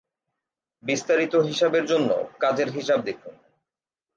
বিস্তারিত হিসাবের জন্য, কাজের হিসাব দেখুন।